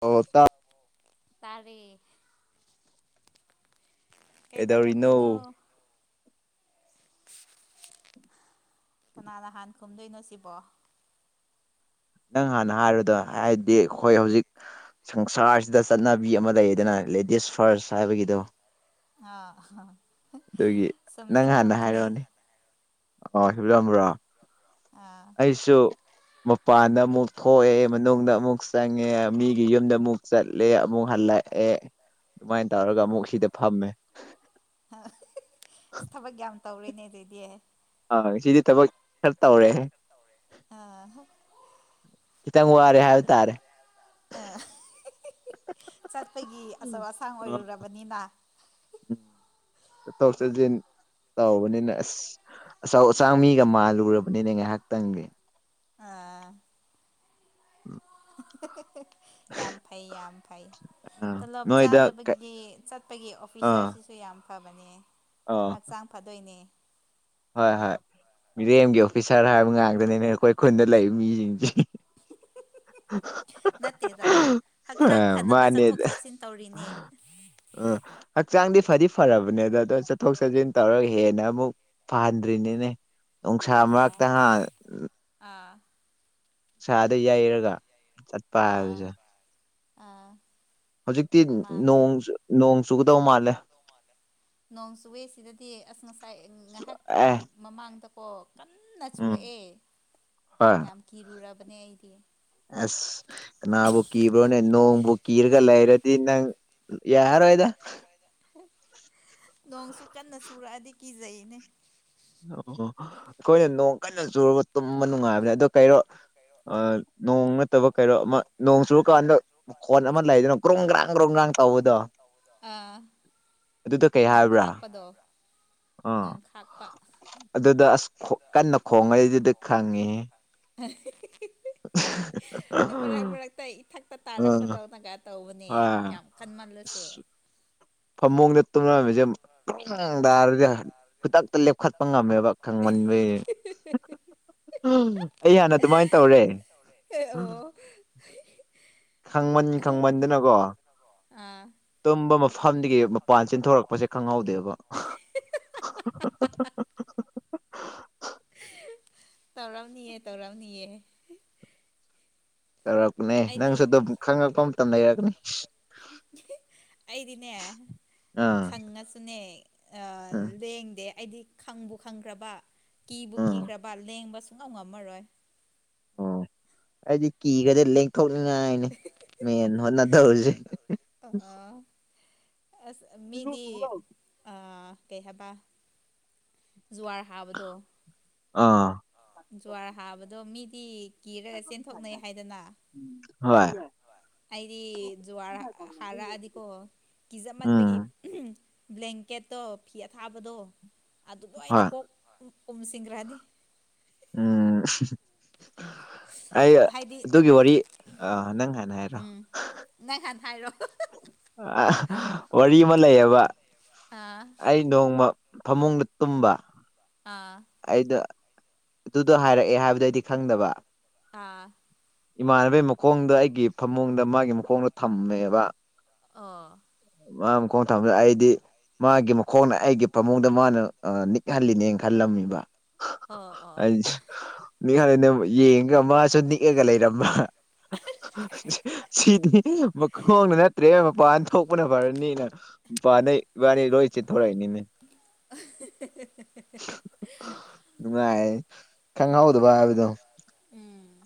ꯑꯣ ꯇ ꯇꯥꯔꯦ ꯑꯦꯗꯧꯔꯤꯅꯣ ꯀꯩꯗꯧꯔꯝꯃꯤꯅꯣ ꯀꯅꯥꯅꯍꯥꯟ ꯈꯨꯝꯗꯣꯏꯅꯣ ꯁꯤꯕꯣ ꯅꯪ ꯍꯥꯟꯅ ꯍꯥꯏꯔꯗ ꯍꯥꯏꯕꯗꯤ ꯑꯩꯈꯣꯏ ꯍꯧꯖꯤꯛ ꯁꯪꯁꯥꯔꯁꯤꯗ ꯆꯠꯅꯕꯤ ꯑꯃ ꯂꯩꯗꯅ ꯂꯦꯗꯤꯁ ꯐꯔꯁ ꯍꯥꯏꯕꯒꯤꯗꯣ ꯑ ꯑꯗꯨꯒꯤ ꯅꯪ ꯍꯥꯟꯅ ꯍꯥꯏꯔꯛꯑꯣꯅꯦ ꯑꯣ ꯍꯤꯂꯝꯝꯕ꯭ꯔꯣ ꯑꯥ ꯑꯩꯁꯨꯁꯨ ꯃꯄꯥꯟꯗ ꯑꯃꯨꯛ ꯊꯣꯛꯑꯦ ꯃꯅꯨꯡꯗ ꯑꯃꯨꯛ ꯆꯪꯉꯦ ꯃꯤꯒꯤ ꯌꯨꯝꯗ ꯑꯃꯨꯛ ꯆꯠꯂꯦ ꯑꯃꯨꯛ ꯍꯜꯂꯛꯦ ꯂꯥꯛꯑꯦ ꯑꯗꯨꯃꯥꯏꯅ ꯇꯧꯔꯒ ꯑꯃꯨꯛ ꯁꯤꯗ ꯐꯝꯃꯦ ꯑ ꯊꯕꯛ ꯌꯥꯝ ꯇꯧꯔꯦꯅꯦ ꯑꯗꯨꯗꯤ ꯑ ꯁꯤꯗꯤ ꯊꯕꯛ ꯈꯔ ꯇꯧꯔꯦ ꯑꯥ ꯈꯤꯇꯪ ꯋꯥꯔꯦ ꯍꯥꯏꯕ ꯇꯥꯔꯦ ꯑꯥ ꯆꯠꯄꯒꯤ ꯑꯆꯧ ꯑꯁꯥꯡ ꯎꯝ ꯑꯣꯏꯔꯨꯔꯕꯅꯤꯅ ꯇꯧꯁꯤꯖ ꯇꯧꯕꯅꯤꯅ ꯑꯁ ꯑꯆꯧ ꯑꯆꯥꯡ ꯃꯤꯒ ꯃꯥꯜꯂꯨꯔꯕꯅꯤꯅꯦ ꯉꯥꯏꯍꯥꯛꯇꯪꯗꯤ ꯑꯥ ꯌꯥꯝ ꯐꯩ ꯌꯥꯝ ꯐꯩ ꯑꯥ ꯇꯂꯣꯞ ꯅꯣꯏꯗ ꯀꯩ ꯆꯥꯗꯕꯒꯤ ꯆꯠꯄꯒꯤ ꯑꯥ ꯑꯣꯐꯤꯁꯥꯔꯁꯤꯁꯨ ꯌꯥꯝ ꯐꯕꯅꯦ ꯑꯥ ꯍꯛꯆꯥꯡ ꯐꯗꯣꯏꯅꯦ ꯍꯣꯏ ꯍꯣꯏ ꯃꯤꯔꯦꯝꯒꯤ ꯑꯣꯐꯤꯁꯥꯔ ꯍꯥꯏꯕ ꯉꯥꯡꯇꯅꯤꯅꯦ ꯑꯩꯈꯣꯏ ꯈꯨꯟꯗ ꯂꯩꯕ ꯃꯤꯁꯤꯡꯁꯦ [unintelligible] [unintelligible] ꯅꯠꯇꯦꯗ ꯑ ꯍꯛꯆꯥꯡ ꯐꯅꯕ ꯃꯥꯅꯦ ꯆꯠꯊꯣꯛ ꯆꯠꯁꯤꯟ ꯇꯧꯔꯤꯅꯦ ꯑ ꯍꯛꯆꯥꯡꯗꯤ ꯐꯗꯤ ꯐꯔꯕꯅꯦ ꯑꯗ ꯑꯗꯣ ꯆꯠꯊꯣꯛ ꯆꯠꯁꯤꯟ ꯇꯧꯔꯒ ꯍꯦꯟꯅ ꯑꯃꯨꯛ ꯐꯍꯟꯗ꯭ꯔꯤꯅꯤꯅꯦ ꯅꯨꯡꯁꯥ ꯑꯥ ꯃꯔꯛꯇꯥꯟ ꯑꯥ ꯁꯥꯥꯗ ꯌꯩꯔꯒ ꯆꯠꯄ ꯑꯥ ꯍꯥꯏꯕꯁꯦ ꯑꯥ ꯍꯧꯖꯤꯛꯇꯤꯣꯡ ꯃꯥꯅꯦ ꯅꯣꯡ ꯆꯨꯒꯗꯧ ꯃꯥꯜꯂꯦ ꯅꯣꯡ ꯆꯨꯋꯦꯁꯤꯗꯗꯤ ꯑꯁ ꯉꯁꯥꯏ ꯉꯥꯏꯍꯥꯛ ꯑꯦ ꯃꯃꯥꯡꯗ ꯀꯟꯅ ꯎꯝ ꯆꯨꯔꯛꯑꯦ ꯍꯣꯏ ꯌꯥꯝ ꯀꯤꯔꯨꯔꯕꯅꯦ ꯑꯩꯗꯤ ꯑꯁ ꯀꯅꯥꯕꯨ ꯀꯤꯕ꯭ꯔꯣꯅꯦ ꯅꯣꯡꯕꯨ ꯀꯤꯔꯒ ꯂꯩꯔꯗꯤ ꯅꯪ ꯌꯥꯔ ꯑꯣꯏꯗ ꯅꯣꯡꯁꯨ ꯀꯟꯅ ꯆꯨꯔꯛꯑꯗꯤ ꯀꯤꯖꯩꯅꯦ ꯑꯣ ꯑꯩꯈꯣꯏꯅ ꯅꯣꯡ ꯀꯟꯅ ꯆꯨꯔꯒ ꯇꯨꯝꯕ ꯅꯨꯡꯉꯥꯏꯕꯅꯦ ꯑꯗ ꯀꯩꯔꯣ ꯅꯣꯡ ꯅꯠꯇꯕ ꯀꯩꯅꯔꯣ ꯑꯃ ꯅꯣꯡ ꯆꯨꯔꯀꯥꯟꯗ ꯈꯣꯟ ꯑꯃ ꯂꯩꯗꯅ ꯭ꯔꯣꯡ ꯒ꯭ꯔꯥꯡ ꯒ꯭ꯔꯣꯡ ꯒ꯭ꯔꯥꯡ ꯇꯧꯕꯗꯣ ꯑꯥ ꯑꯗꯨꯗ ꯀꯩ ꯅꯣꯡ ꯍꯥꯏꯕ꯭ꯔꯥ ꯈꯥꯛꯄꯗꯣ ꯑꯥ ꯅꯣꯡ ꯈꯥꯛꯄ ꯑꯗꯨꯗ ꯑꯁ ꯀꯟꯅ ꯈꯣꯡꯉꯩꯗꯨꯗꯤ ꯈꯪꯉꯤ ꯎ [unintelligible] ꯃꯔꯛ ꯃꯔꯛꯇ ꯏꯊꯛꯇ ꯍꯣꯏ ꯇꯥꯔꯛꯄꯗꯧꯅꯒ ꯇꯧꯕꯅꯤ ꯑꯁ ꯌꯥꯝ ꯈꯟꯃꯜꯂꯁꯨ ꯐꯃꯨꯡꯗ ꯇꯨꯝꯅꯔꯝꯃꯤꯁꯦ ꯇꯥꯔꯗꯤ ꯈꯨꯗ ꯂꯦꯞꯈꯠꯄ ꯉꯝꯃꯦꯕ ꯈꯪꯃꯟꯕ ꯑꯩ ꯍꯥꯟꯅ ꯑꯗꯨꯃꯥꯏꯅ ꯇꯧꯔꯦ ꯑꯦ ꯑꯣ ꯈꯪꯃꯟ ꯈꯪꯃꯟꯗꯅꯀꯣ ꯑꯥ ꯇꯨꯝꯕ ꯃꯐꯝꯗꯒꯤ ꯃꯄꯥꯟ ꯆꯤꯟꯊꯣꯔꯛꯄꯁꯦ ꯈꯪꯍꯧꯗꯦꯕ [unintelligible] ꯇꯧꯂꯥꯎꯅꯤꯌꯦ ꯇꯧꯔꯅꯤꯌꯦ ꯌꯧꯔꯛꯄꯅꯦ ꯑꯩꯗꯤ ꯅꯪꯁꯨ ꯑꯗꯨꯝ ꯈꯪꯉꯛꯄ ꯃꯇꯝ ꯂꯩꯔꯛꯀꯅꯤ ꯑꯩꯗꯤꯅꯦ ꯑꯥ ꯈꯪꯉꯁꯨꯅꯦ ꯑꯥ ꯂꯦꯡꯗꯦ ꯑꯩꯗꯤ ꯈꯪꯕꯨ ꯈꯪꯈ꯭ꯔꯕ ꯀꯤꯕꯨ ꯑꯥ ꯀꯤꯈ꯭ꯔꯕ ꯂꯦꯡꯕ ꯁꯨꯡꯉꯧ ꯉꯝꯃꯔꯣꯏ ꯑꯣ ꯑꯩꯗꯤ ꯀ ꯀ ꯂ ꯊꯣꯛꯅꯤꯡꯉꯥꯏꯅꯦ ꯃꯦꯟ ꯍꯣꯠꯅꯗꯧꯔꯤꯁꯤꯅꯦ ꯑꯥ, ꯑꯁ ꯃꯤꯗꯤ ꯑ ꯀꯩ ꯍꯥꯏꯕ ꯖꯨꯋꯥꯔ ꯍꯥꯕꯗꯣ ꯑꯥ ꯖꯨꯋꯥꯔ ꯍꯥꯕꯗꯣ ꯃꯤꯗꯤ ꯀꯤꯔꯒ ꯆꯦꯟꯊꯣꯛꯅꯩ ꯍꯥꯏꯗꯅ ꯍꯣꯏ ꯑꯩꯗꯤ ꯖꯨꯋꯥꯔ ꯍꯥꯔꯛꯑꯗꯤꯀꯣ ꯎꯝ ꯀꯤꯖꯃꯟꯕꯒꯤ ꯕ꯭ꯂꯦꯡꯀꯦꯠꯇꯣ ꯐꯤ ꯑꯊꯥꯕꯗꯣ ꯑꯗꯨ ꯂꯣꯏꯅ ꯍꯣꯏ ꯀꯣꯛ ꯎꯃꯁꯤꯡ ꯔꯥꯅꯤ ꯎꯝ ꯑꯩ ꯍꯥꯏꯗꯤ ꯑꯗꯨꯒꯤ ꯋꯥꯔꯤ ꯅꯪ ꯍꯥꯏꯥꯟꯅ ꯍꯥꯏꯔꯣ ꯎꯝ ꯅꯪ ꯍꯥꯟꯅ ꯍꯥꯏꯔꯣ ꯋꯥꯔꯤ ꯑꯃ ꯂꯩꯌꯦꯕ ꯑꯥ ꯑꯩ ꯅꯣꯡꯃ ꯐꯃꯨꯡꯗ ꯇꯨꯝꯕ ꯑꯥ ꯑꯩꯗꯣ ꯑꯗꯨꯗꯣ ꯍꯥꯏꯔꯛꯑꯦ ꯍꯥꯏꯕꯗ ꯑꯩꯗꯤ ꯈꯪꯗꯕ ꯑꯥ ꯏꯃꯥꯟꯅꯕꯒꯤ ꯃꯈꯣꯡꯗ ꯑꯩꯒꯤ ꯐꯃꯨꯡꯗ ꯃꯥꯒꯤ ꯃꯈꯣꯡꯗꯣ ꯊꯝꯃꯦꯕ ꯑ ꯃꯥ ꯑꯃ ꯀꯣꯡ ꯊꯝꯗ ꯑꯩꯗꯤ ꯃꯥꯒꯤ ꯃꯈꯣꯡꯅ ꯑꯩꯒꯤ ꯐꯥꯃꯨꯡꯗ ꯃꯥꯅ ꯅꯤꯛꯍꯜꯂꯤꯅꯦ ꯈꯜꯂꯝꯃꯤꯕ ꯑꯣ ꯑꯣ ꯑꯩ ꯅꯈꯥꯂꯗ ꯌꯦꯡꯒ ꯃꯥꯁꯨ ꯅꯤꯛꯑꯒ ꯂꯩꯔꯝꯕ ꯁꯤꯗꯤ ꯃꯈꯣꯡꯗ ꯅꯠꯇ꯭ꯔꯦ ꯃꯄꯥꯟ ꯊꯣꯛꯄꯅ ꯐꯔꯅꯤꯅ ꯋꯥ ꯅ ꯋꯥꯅꯤ ꯔꯣꯣꯏ ꯆ ꯊꯣꯔꯅꯤꯅꯦ ꯅꯨꯡꯉꯥꯏ ꯈꯪꯍꯧꯗꯕ ꯍꯥꯏꯕꯗꯣ ꯎꯝ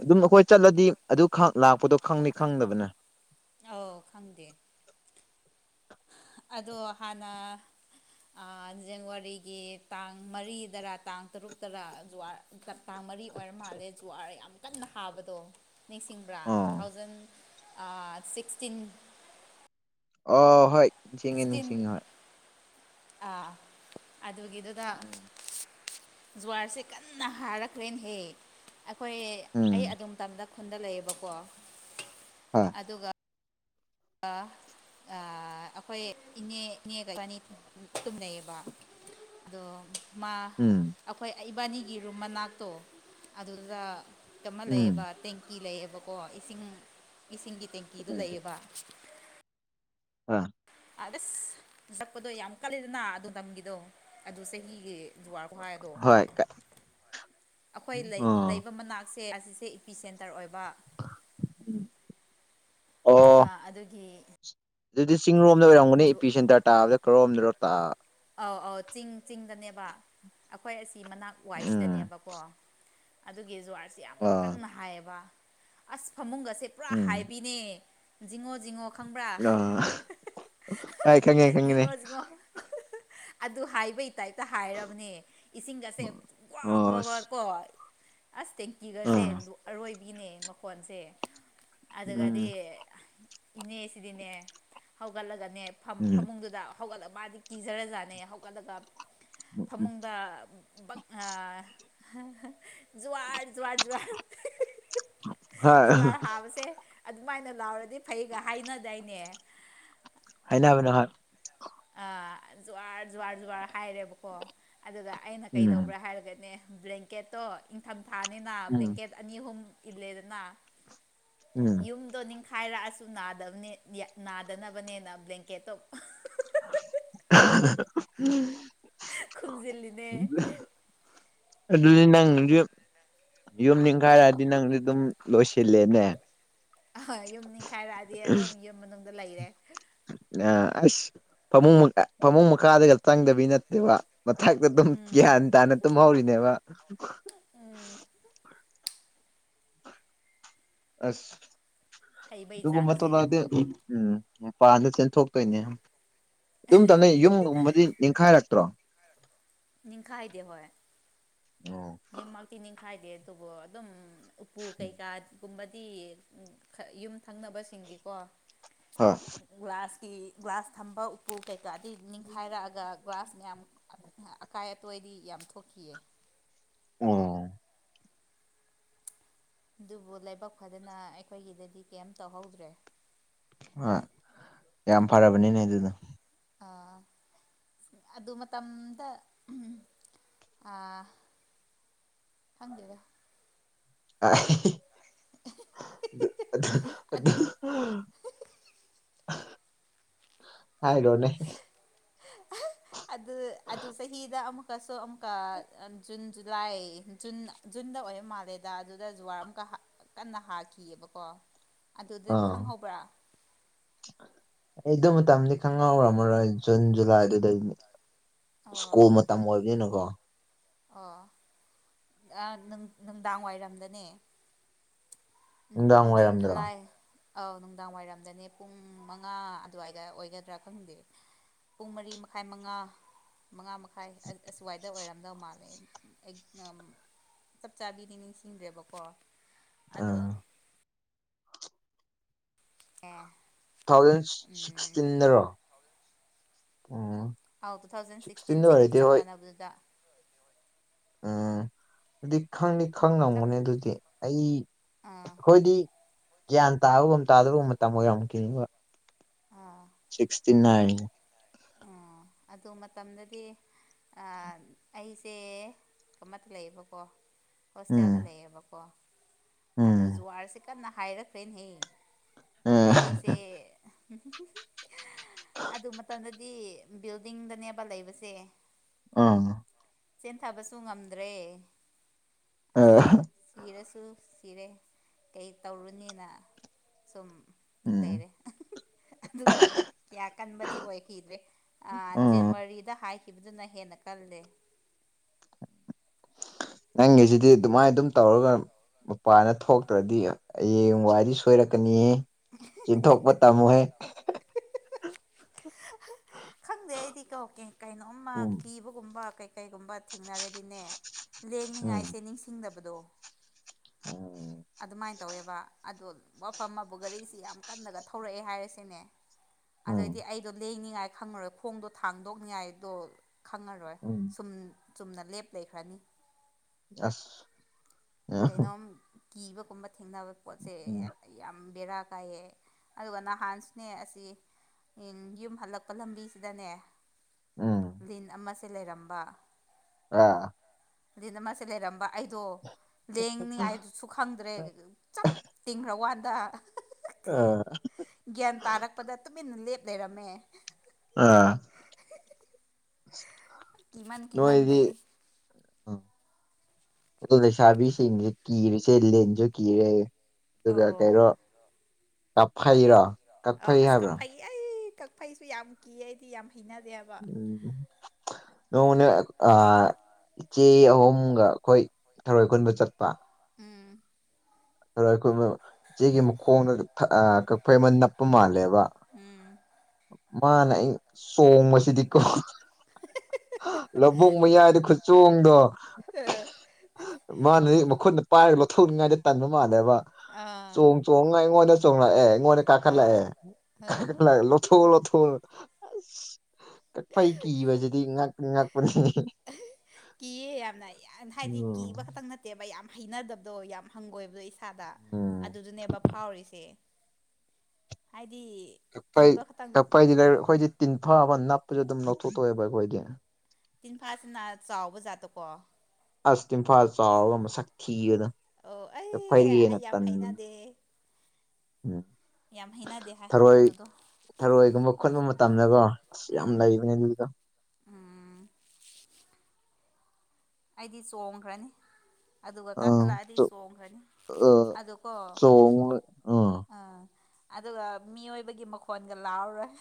ꯑꯗꯨꯝ ꯑꯩꯈꯣꯏ ꯆꯠꯂꯗꯤ ꯑꯗꯨ ꯂꯥꯛꯄꯗꯣ ꯈꯪꯅꯤ ꯈꯪꯗꯕꯅ ꯑꯥꯎ ꯈꯪꯗꯦ ꯑꯗꯣ ꯍꯥꯟꯅ ꯖꯅꯋꯥꯔꯤꯒꯤ ꯇꯥꯡ ꯃꯔꯤꯗꯔꯥ ꯇꯥꯡ ꯇꯔꯨꯛ ꯇꯔꯥ ꯀꯥꯡ ꯃꯔꯤ ꯑꯣꯏꯔ ꯃꯥꯜꯂꯦ ꯖꯨꯋꯥꯔ ꯌꯥꯝ ꯀꯟꯅ ꯍꯥꯕꯗꯣ ꯅꯤꯡꯁꯤꯡꯕ꯭ꯔꯥ ꯇꯨ ꯑꯥ ꯊꯥꯎꯖꯟ ꯁꯤꯛꯁꯇꯤꯟ [inaudible] ꯑ ꯍꯣꯏ ꯅꯤꯡꯁꯤꯡꯉꯦ ꯁꯤꯛꯁꯇꯤꯟ ꯅꯤꯡꯁꯤꯡꯉꯦ ꯍꯣꯏ ꯑꯥ ꯑꯗꯒꯤꯗꯗ ꯖꯨꯋꯥꯔꯁꯦ ꯀꯟꯅ ꯍꯥꯔꯛꯈ꯭ꯔꯦꯅꯍꯦ ꯑꯩꯈꯣꯏ ꯑꯩ ꯎꯝ ꯑꯗꯨꯣꯝ ꯇꯝꯗ ꯈꯨꯟꯗ ꯂꯩꯌꯦꯕꯀꯣ ꯍꯣꯏ ꯑꯗꯨꯒ ꯋꯥ ꯑꯩꯈꯣꯏ ꯏꯅꯦ ꯏꯅꯦꯒ ꯑꯅꯤ ꯇꯨꯝꯅꯩꯌꯦꯕ ꯗ ꯃꯥ ꯎꯝ ꯑꯩꯈꯣꯏ ꯏꯕꯥꯅꯤꯒꯤ ꯔꯨꯝ ꯃꯅꯥꯛꯇꯣ ꯑꯗꯨꯗ ꯑꯃ ꯎꯝ ꯂꯩꯌꯦꯕ ꯇꯦꯡꯀꯤ ꯂꯩꯌꯦꯕꯀꯣ ꯏꯁꯤꯡ ꯏꯁꯤꯡꯒꯤ ꯇꯦꯡꯀꯤꯗꯨꯣ ꯂꯩꯌꯦꯕ ꯑ ꯑ ꯑꯁ ꯅꯛꯄꯗꯣ ꯌꯥꯝ ꯀꯜꯂꯤꯗꯅ ꯑꯗꯨ ꯇꯝꯒꯤꯗꯣ ꯑꯗꯨ ꯆꯍꯤꯒꯤ ꯖꯨꯋꯥꯔ ꯍꯥꯏ ꯑꯗꯣ ꯍꯣꯏ ꯑꯩꯈꯣꯏ ꯂꯩ ꯑꯣ ꯂꯩꯕ ꯃꯅꯥꯛꯇ ꯏ ꯄꯤ ꯁꯦꯟꯔ ꯑꯣꯏ ꯑꯣ ꯑꯗꯨꯒꯤ ꯑꯗꯨꯗꯤ ꯆꯤꯡꯔꯣꯝꯗ ꯑꯣꯏꯔꯝꯒꯅꯤ ꯖꯨ ꯏꯄꯤ ꯁꯦꯟꯇꯔ ꯇꯥꯕꯗ ꯈꯔꯣꯝꯗꯔꯣ ꯇ ꯑꯧ ꯑꯧ ꯆꯤꯡ ꯆꯤꯡꯗꯅꯦꯕ ꯑꯩꯈꯣꯏ ꯑꯁꯤ ꯃꯅꯥꯛ ꯎꯝ ꯋꯥꯏꯁꯤꯗꯅꯦꯕꯀꯣ ꯑꯗꯨꯒꯤ ꯖꯨꯍꯔꯁꯦ ꯌꯥꯝ ꯑꯥ ꯀꯟꯅ ꯍꯥꯏꯌꯦꯕ ꯑꯁ ꯐꯃꯨꯡꯒꯁꯦ ꯄꯨꯔꯥ ꯎꯝ ꯍꯥꯏꯕꯤꯅꯦ ꯖꯤꯉꯣ ꯖꯤꯉꯣ ꯑ ꯍꯥꯏ ꯈꯉꯤ ꯈꯪꯉꯤꯅꯦ ꯖꯤꯡꯉꯣ ꯖꯤꯡꯉꯣ ꯑꯗꯨ ꯍꯥꯏꯕꯩ ꯇꯥꯏꯞꯇ ꯍꯥꯏꯔꯕꯅꯦ ꯏꯁꯤꯡ ꯑꯁꯦ ꯒ꯭ ꯒ꯭ ꯒ ꯑꯣꯁ ꯀꯣ ꯑꯁ ꯇꯦꯡꯀꯤꯒꯁꯦ ꯑꯥ ꯑꯔꯣꯏꯕꯤꯅꯦ ꯃꯈꯣꯟꯁꯦ ꯎꯝ ꯑꯗꯒꯗꯤ ꯏꯟꯅꯦꯁꯤꯗꯅꯦ ꯍꯒꯂꯒꯗ ꯎꯝ ꯐꯃꯨꯡꯗꯨꯗ ꯍꯧꯒꯠꯂꯒ ꯃꯥꯗꯤ ꯀꯤꯖꯔꯖꯥꯠꯅꯦ ꯍꯧꯒꯠꯂꯒ ꯐꯃꯨꯡꯗ ꯋꯥꯔ ꯔ ꯔ ꯍꯣꯏ ꯋꯥꯔ ꯍꯥꯥꯄꯁꯦ ꯑꯗꯨꯃꯥꯏꯅ ꯂꯥꯎꯔꯗꯤ ꯐꯩꯒ ꯍꯥꯏꯅꯗꯩꯅꯦ ꯍꯥꯏꯩꯅꯕꯅꯦ ꯍꯣꯏ ꯑ ꯖꯨꯍꯔ ꯖꯨꯍꯥꯔ ꯖꯨꯍꯥꯔ ꯍꯥꯏꯔꯦꯕꯀꯣ ꯑꯗꯨꯗ ꯑꯩꯅ ꯎꯝ ꯀꯩꯗꯧꯕ꯭ꯔꯥ ꯍꯥꯏꯔꯒꯅꯦ ꯕ꯭ꯂꯦꯡꯀꯦꯠꯇꯣ ꯏꯪꯊꯝꯊꯥꯅꯤꯅ ꯎꯝ ꯕ꯭ꯂꯦꯡꯀꯦꯠ ꯑꯅꯤ ꯑꯍꯨꯝ ꯏꯜꯂꯦꯗꯅ ꯎꯝ ꯌꯨꯝꯗ ꯅꯤꯡꯈ ꯍꯥꯏꯔꯛꯑꯁꯨ ꯅꯥꯗꯕꯅꯦ ꯅꯥꯗꯅꯕꯅꯦꯅ ꯕ꯭ꯂꯦꯡꯀꯦꯠꯇꯣ ꯎ ꯈꯨꯝꯖꯤꯜꯂꯤꯅꯦ ꯑꯗꯨꯗꯤ ꯅꯪꯁꯨ ꯌꯨꯝ ꯅꯤꯡꯈꯥꯏꯔꯛꯑꯗꯤ ꯅꯪꯁꯨ ꯑꯗꯨꯝ ꯂꯣꯏꯁꯤꯜꯂꯦꯅꯦ ꯑ ꯌꯨꯝ ꯅꯤꯡꯈꯥꯏꯔꯛꯑꯗꯤ ꯑꯗꯨꯝ ꯌꯨꯝ ꯃꯅꯨꯡꯗ ꯂꯩꯔꯦ ꯑ ꯑꯁ ꯐꯃꯨꯡ ꯐꯃꯨꯡ ꯃꯈꯥꯗꯒ ꯆꯪꯗꯕꯤ ꯅꯠꯇꯦꯕ ꯃꯊꯛꯇ ꯑꯗꯨꯝ ꯎꯝ ꯒ꯭ꯌꯥꯟ ꯇꯥꯅ ꯇꯨꯝꯍꯧꯔꯤꯅꯦꯕ ꯑꯁ ꯍꯩꯕꯩ ꯏꯣ ꯃꯠꯇ ꯆꯥꯡꯁꯦ ꯂ ꯎꯝ ꯃꯄꯥꯟꯗ ꯆꯦꯟꯊꯣꯛꯇꯣꯏꯅꯦ ꯑꯗꯨꯝ ꯇꯧꯅꯩ ꯌꯨꯝꯒꯨꯝꯕꯗꯤ ꯅꯤꯡꯈꯥꯏꯔꯛꯇ꯭ꯔꯣ ꯅꯤꯡꯈꯥꯏꯗꯤꯦ ꯍꯣꯏ ꯑꯣ ꯌꯨꯝꯃꯛꯇꯤ ꯅꯤꯡꯈꯥꯏꯗꯦ ꯑꯗꯨꯕꯨ ꯑꯗꯨꯝ ꯎꯄꯨ ꯀꯩꯀꯥ ꯒꯨꯝꯕꯗꯤ ꯌꯨꯝ ꯊꯪꯅꯕꯁꯤꯡꯒꯤꯀꯣ ꯍꯥ ꯀꯤ ꯒ꯭ꯂꯥꯁ ꯊꯝꯕ ꯎꯄꯨ ꯀꯩꯀꯥꯗꯤ ꯅꯤꯡꯈꯥꯏꯔꯛꯑꯒ ꯒꯥꯁ ꯃꯌꯥꯝ ꯑꯀꯥꯏ ꯑꯇꯣꯏꯗꯤ ꯌꯥꯝ ꯊꯣꯛꯈꯤꯑ ꯑꯣ ꯑꯗꯨꯕꯨ ꯂꯥꯏꯕꯛ ꯐꯗꯅ ꯑꯩꯈꯣꯏꯒꯤꯗꯗꯤ ꯀꯩꯝ ꯇꯧꯍꯧꯗ꯭ꯔꯦ ꯑ ꯌꯥꯝ ꯐꯔꯕꯅꯤꯅꯦ ꯑꯗꯨꯅ ꯑꯥ ꯑꯗꯨ ꯃꯇꯝꯗ ꯑ ꯍꯪꯗꯦꯗ ꯑ ꯑꯗꯨ ꯑꯗꯨ ꯑꯗꯨ ꯍꯥꯏꯗꯣꯅꯦ ꯑꯗꯨ ꯑꯗꯨ ꯆꯍꯤꯗ ꯑꯃꯨꯛ ꯑꯃꯨꯛꯀꯁꯨ ꯑꯃꯨꯛꯀ ꯖꯨꯟ ꯖꯨꯂꯥꯏ ꯖꯨꯟ ꯖꯨꯟꯗ ꯑꯣꯏꯕ ꯃꯥꯜꯂꯦꯗ ꯑꯗꯨꯗ ꯖꯨꯋꯥꯔ ꯑꯃꯨꯛꯀ ꯀꯟꯅ ꯍꯥꯈꯤꯑꯕꯀꯣ ꯑꯗꯨꯗ ꯑꯥ ꯈꯪꯍꯧꯕ꯭ꯔꯥ ꯑꯩ ꯑꯗꯨ ꯃꯇꯝꯗꯤ ꯈꯪꯍꯧꯔꯝꯃꯔꯣꯏ ꯖꯨꯟ ꯖꯨꯂꯥꯏꯗꯨꯗꯩꯗꯤ ꯁꯀꯣ ꯑꯣ ꯃꯇꯝ ꯑꯣꯏꯕꯅꯤꯅꯀꯣ ꯑꯣ ꯅꯨꯡꯗꯥꯡ ꯋꯥꯏꯔꯝꯗꯅꯦ ꯅꯨꯡꯗꯥꯡ ꯖꯨꯟ ꯋꯥꯏꯔꯝꯗ꯭ꯔꯣ ꯑꯥ ꯖꯨꯂꯥꯏ ꯑꯧ ꯅꯨꯡꯗꯥꯡ ꯋꯥꯏꯔꯝꯗꯅꯦ ꯄꯨꯡ ꯃꯉꯥ ꯑꯗꯨꯋꯥꯏꯗ ꯑꯣꯏꯒꯗ꯭ꯔꯥ ꯈꯪꯗꯦ ꯄꯨꯡ ꯃꯔꯤ ꯃꯈꯥꯏ ꯃꯉꯥ ꯃꯉꯥ ꯃꯈꯥꯏ ꯑꯁꯨꯋꯥꯏꯗ ꯑꯣꯏꯔꯝꯗꯕ ꯃꯥꯜꯂꯦ ꯆꯞ ꯆꯥꯕꯤꯗꯤ ꯅꯤꯡꯁꯤꯡꯈ꯭ꯔꯦꯕꯀꯣ ꯑꯥ ꯑꯦ ꯇꯨ ꯊꯥꯎꯖꯟ ꯁꯤꯛꯁꯇꯤꯟꯗꯔꯣ ꯑꯣ ꯑꯥꯎ ꯇꯨ ꯊꯥꯎꯖꯟ ꯁꯤꯛꯁꯇꯤꯟ ꯁꯤꯛꯁꯇꯤꯟꯗ ꯆꯍꯤ ꯑꯣꯏꯔꯗꯤ ꯆꯞ ꯍꯣꯏ ꯃꯥꯟꯅꯕꯗꯨꯗ ꯎꯝ ꯗ ꯈꯪꯅꯤ ꯈꯪ ꯆꯞ ꯉꯝꯨꯅꯦ ꯑꯗꯨꯗꯤ ꯑꯩ ꯑꯥ ꯍꯈꯣꯏꯗꯤ ꯒ꯭ꯌꯥꯟ ꯇꯥꯕꯒ ꯇꯥꯗꯕꯒꯨꯝ ꯃꯇꯝ ꯑꯣꯏꯔꯝꯨꯈꯤꯅꯤꯡꯕ ꯁꯤꯛꯁꯇꯤꯟ ꯍꯥꯏ ꯑꯣ ꯑꯗꯨ ꯃꯇꯝꯗꯗꯤ ꯑꯩꯁꯦ ꯀꯃꯠꯇ ꯂꯩꯌꯦꯕꯀꯣ ꯍꯁ ꯆ ꯎꯝ ꯑꯗꯨ ꯂꯩꯦꯕꯀꯣ ꯑꯗꯣ ꯎꯝ ꯖꯨꯍꯔꯁꯦ ꯀꯟꯅ ꯍꯥꯏꯔꯛꯈ꯭ꯔꯦꯅꯦꯍ ꯑꯥ ꯑꯩꯁꯦ ꯑꯗꯨ ꯃꯇꯝꯗꯗꯤ ꯕꯤꯜꯗꯤꯡꯗꯅꯦꯕ ꯂꯩꯕꯁꯦ ꯑ ꯆꯦꯟꯊꯕꯁꯨ ꯉꯝꯗ꯭ꯔꯦ ꯑ ꯑꯁ ꯁꯤꯔꯁꯨ ꯁꯤꯔꯦ ꯀꯩ ꯇꯧꯔꯨꯅꯤꯅ ꯁꯨꯝ ꯎꯝ ꯂꯩꯔꯦ ꯑꯗꯨꯒ ꯀꯌꯥ ꯀꯟꯕꯗꯤ ꯑꯣꯏꯈꯤꯗ꯭ꯔꯦ ꯑ ꯎꯝ ꯖꯅꯋꯥꯔꯤꯗ ꯍꯥꯏꯈꯤꯕꯗꯨꯅ ꯍꯦꯟꯅ ꯀꯜꯂꯦ ꯅꯪꯒꯤꯁꯤꯗꯤ ꯑꯗꯨꯃꯥꯏꯅ ꯑꯗꯨꯝ ꯇꯧꯔꯒ ꯃꯄꯥꯅ ꯊꯣꯛꯇ꯭ꯔꯗꯤ ꯍꯌꯦꯡ ꯋꯥꯏꯗꯤ ꯁꯣꯏꯔꯛꯀꯅꯤꯌꯦ ꯆꯊꯣꯛꯄ ꯇ ꯃꯨꯍꯦ ꯈꯪꯗꯦ ꯑꯩꯗꯤ ꯀꯧꯀꯦ ꯀꯩꯅꯣꯝꯃ ꯎꯝ ꯀꯤꯕꯒꯨꯝꯕ ꯀꯩ ꯀꯩꯒꯨꯝꯕ ꯊꯦꯡꯅꯔꯗꯤꯅꯦ ꯎꯝ ꯂꯦꯡꯅꯤꯡꯉꯥꯏꯁꯦ ꯅꯤꯡꯁꯤꯡꯗꯕꯗꯣ ꯑꯣ ꯑꯗꯨꯃꯥꯏꯅ ꯇꯧꯋꯦꯕ ꯑꯗꯨꯗ ꯋꯥꯐꯝ ꯑꯃꯕꯨ ꯒꯥꯔꯤꯁꯤ ꯌꯥꯝ ꯀꯟꯅꯒ ꯊꯧꯔꯛꯑꯦ ꯍꯥꯏꯔꯤꯁꯤꯅꯦ ꯎꯝ ꯑꯗꯨꯏꯗꯤ ꯑꯩꯗꯣ ꯂꯦꯡꯅꯤꯡꯉꯥꯏ ꯈꯪꯉꯔꯣꯏ ꯈꯣꯡꯗꯣ ꯊꯥꯡꯗꯣꯛꯅꯤꯡꯉꯥꯏꯗꯣ ꯈꯪꯉꯔꯣꯏ ꯎꯝ ꯁꯨꯝ ꯆꯨꯝꯅ ꯂꯦꯞ ꯂꯩꯈ꯭ꯔꯅꯤ ꯑꯁ ꯀꯩꯅꯣꯝ ꯀꯤꯕꯒꯨꯝꯕ ꯊꯦꯡꯅꯕ ꯄꯣꯠꯁꯦ ꯎꯝ ꯌꯥꯝ ꯕꯦꯔꯥ ꯀꯥꯏꯑꯦ ꯑꯗꯨꯒ ꯅꯍꯥꯟꯁꯅꯦ ꯑꯁꯤ ꯎꯝ ꯌꯨꯝ ꯍꯜꯂꯛꯄ ꯂꯝꯕꯤꯁꯤꯗꯅꯦ ꯎꯝ ꯂꯤꯟ ꯑꯃꯁꯦ ꯂꯩꯔꯝꯕ ꯑꯥ ꯑꯗꯨꯅ ꯃꯁ ꯂꯩꯦꯔꯝꯕ ꯑꯩꯗꯣ ꯂꯦꯡꯅꯤꯉꯥꯏꯗꯨꯁꯨ ꯈꯪꯗ꯭ꯔꯦ ꯆꯞ ꯇꯤꯡꯈ꯭ꯔ ꯋꯥꯗ ꯑꯥ ꯒ꯭ꯌꯥꯟ ꯇꯥꯔꯛꯄꯗ ꯇꯨꯃꯤꯟꯅ ꯂꯦꯞ ꯂꯩꯔꯝꯃꯦ ꯑꯥ ꯀꯃ ꯀꯃ ꯦ ꯁꯥꯕꯤꯁꯤ ꯀꯤꯔꯁ ꯂꯦꯟꯖ ꯀꯤꯔꯦ ꯑꯗꯨꯒ ꯑꯧ ꯀꯩꯅꯣ ꯀꯥꯞꯐꯩꯔꯣ ꯑꯧ ꯑꯁ ꯀꯛꯐꯩ ꯑꯩ ꯀꯛꯐꯩꯁꯨ ꯌꯥꯝ ꯀꯤꯑꯗꯤ ꯌꯥꯝ ꯍꯩꯅꯗꯦ ꯍꯥꯏꯕ ꯎꯝ ꯅꯣꯡꯅꯦ ꯏꯆꯦ ꯑꯍꯨꯝꯒ ꯑꯩꯈꯣꯏ ꯊꯔꯣꯏ ꯈꯨꯨꯟꯕ ꯆꯠꯄ ꯎꯝ ꯑ ꯑꯩꯈꯣꯏ ꯏꯆꯦꯒꯤ ꯃꯈꯣꯡꯗ ꯀꯛꯐꯩ ꯑꯃ ꯅꯞꯄ ꯃꯥꯜꯂꯦꯕ ꯎꯝ ꯃꯥꯅꯦ ꯑꯩ ꯁꯣꯡꯕꯁꯤꯗꯤꯀꯣ ꯂꯧꯕꯛ ꯃꯌꯥꯏꯗ ꯈꯨꯆꯣꯡꯗꯣ ꯃꯥꯅ ꯃꯈꯨꯅ ꯄꯥꯏ ꯊꯨꯟꯉꯥꯏꯗ ꯇꯟꯕ ꯃꯥꯟꯂꯦꯕ ꯑꯥ ꯆꯣꯡ ꯆꯣꯡꯉ ꯑꯩꯉꯣꯟꯗ ꯆꯣꯡꯂꯛꯑꯦ ꯉꯦ ꯀꯥꯀꯠ ꯂꯥꯛꯑꯦ ꯑꯥ ꯀꯥꯠ ꯂ ꯂꯊ ꯂꯊ ꯄꯥꯏ ꯀ ꯋꯥꯖꯦ ꯑ ꯉꯄ ꯀꯤꯌꯦꯦ ꯌꯥꯝꯅ ꯍꯥꯏꯗꯤ ꯎꯝ ꯀꯤꯕ ꯈꯛꯇꯪ ꯅꯠꯇꯦꯕ ꯌꯥꯝ ꯍꯩꯅꯗꯕꯗꯣ ꯌꯥꯝ ꯍꯪꯒꯣꯏꯕꯗꯣ ꯏꯁꯥꯗ ꯎꯝ ꯑꯗꯨꯗꯨꯅꯦꯕ ꯐꯥꯎꯔꯤꯁꯦ ꯍꯥꯏꯗꯤ ꯀꯤꯕ ꯈꯛꯇꯪ ꯀꯛꯐꯥꯏꯗꯤ ꯑꯩꯈꯣꯏꯗꯤ ꯇꯤꯟꯐꯥꯕ ꯅꯞꯄꯁꯨ ꯑꯗꯨꯝ ꯂꯧꯊꯣꯛꯇꯑꯦꯕ ꯑꯩꯈꯣꯏꯗꯤ ꯇꯤꯟꯐꯥꯁꯤꯅ ꯆꯥꯎꯕ ꯖꯥꯠꯇꯣ ꯀꯣ ꯑꯁꯇꯤꯝꯐꯥꯜ ꯆꯥꯎꯒ ꯃꯁꯛ ꯑꯣ ꯊꯤꯌꯗꯅ ꯑꯩ ꯐꯥꯏꯗꯒꯤꯅ ꯑꯩ ꯇ ꯌꯥꯝ ꯍꯩꯅꯗꯦ ꯎꯝ ꯌꯥꯝ ꯍꯩꯅꯗꯦ ꯍꯥꯏ ꯊꯔꯣꯏ ꯑꯗꯨꯗꯣ ꯊꯔꯣꯏꯒꯨꯝꯕ ꯈꯣꯠꯄ ꯃꯇꯝ ꯇꯝꯅꯀꯣ ꯑꯁ ꯌꯥꯝ ꯂꯩꯕꯅꯦ ꯑꯗꯨꯗ ꯎ ꯑꯩꯗꯤ ꯆꯣꯡꯈ꯭ꯔꯅꯤ ꯑꯗꯨꯒ ꯑꯥ ꯀꯥꯈꯠꯂꯛꯑꯗꯤ ꯆꯣ ꯆꯣꯡꯈ꯭ꯔꯅꯤ ꯑꯥ ꯑ ꯀꯣ ꯑꯥ ꯑꯗꯨꯒ ꯃꯤꯑꯣꯏꯕꯒꯤ ꯃꯈꯣꯟꯒ ꯂꯥꯎꯔꯣꯏ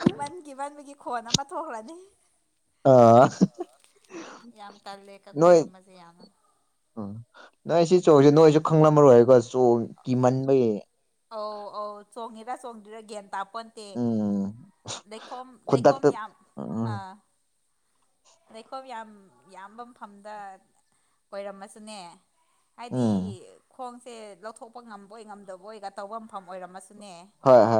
ꯀꯤꯃꯟ ꯀꯤꯃꯟꯕꯒꯤ ꯈꯣꯟ ꯑꯃ ꯊꯣꯛꯈ꯭ꯔꯅꯤ ꯑꯥ ꯌꯥꯝ ꯇꯜꯂꯦ ꯅꯣꯏ ꯀꯛꯐꯩꯒꯨꯝꯕꯁꯦ ꯌꯥꯝꯅ ꯎꯝ ꯅꯣꯏ ꯁꯤ ꯆꯧꯁꯦ ꯅꯣꯏꯁꯨ ꯈꯪꯂꯝꯃꯔꯣꯏ ꯆꯣꯡ ꯀꯤꯃꯟꯕꯌꯦ ꯑꯣ ꯑꯧ ꯆꯣꯡꯉꯦꯔꯥ ꯆꯣꯡꯔ ꯒꯤꯟ [inaudible] ꯎꯝ ꯗꯣꯝ ꯈꯨꯗꯛꯇ ꯌꯥꯝ ꯎꯝ ꯑ ꯂꯩꯈꯣꯝ ꯌꯥꯝ ꯌꯥꯝꯕ ꯃꯐꯝꯗ ꯑꯣꯏꯔꯝꯃꯁꯨꯅꯦ ꯍꯥꯏꯗꯤ ꯎꯝ ꯈꯣꯡꯁꯦ ꯂꯧꯊꯣꯛꯄ ꯉꯝꯕꯣꯏ ꯉꯝꯗꯕꯣꯏꯒ ꯇꯧꯕ ꯃꯐꯝ ꯑꯣꯏꯔꯝꯃꯁꯨ ꯍꯣ ꯍꯣꯏ